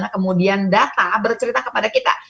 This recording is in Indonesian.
kemudian data bercerita kepada kita